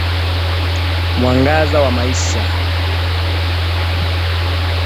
Mwangaza wa Maisha